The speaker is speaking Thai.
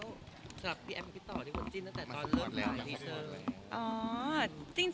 สำหรับแฟนคลับแอปติดต่อที่วันจินตั้งแต่ตอนเริ่มหลายทีเซอร์